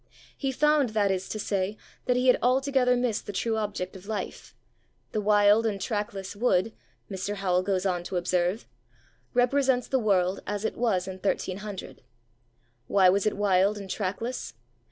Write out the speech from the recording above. He found, that is to say, that he had altogether missed the true object of life. The wild and trackless wood,' Mr. Howell goes on to observe, 'represents the world as it was in 1300. Why was it wild and trackless?